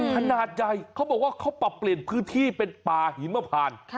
ขนาดใหญ่เขาบอกว่าเขาปรับเปลี่ยนพื้นที่เป็นป่าหิมพาน